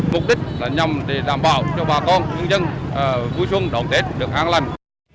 mục đích là nhằm đảm bảo cho bà con nhân dân vui xuống đoạn tết được an lành